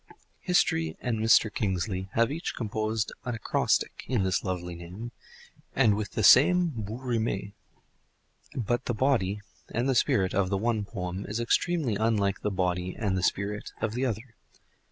History and Mr. Kingsley have each composed an acrostic on this lovely name, and with the same bouts rimes; but the body (and the spirit) of the one poem is extremely unlike the body (and the spirit) of the other.